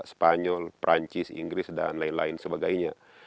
spanyol perancis inggris dan lain lain sebagainya